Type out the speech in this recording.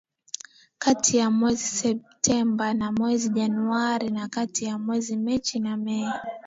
kati ya mwezi Septemba na mwezi Januari na kati ya mwezi Machi na Mei